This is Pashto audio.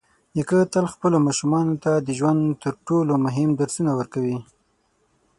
نیکه تل خپلو ماشومانو ته د ژوند تر ټولو مهم درسونه ورکوي.